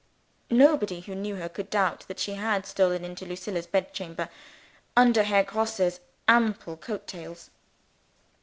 Nobody who knew her could doubt that she had stolen into Lucilla's bed chamber, under cover of Herr Grosse's ample coat tails.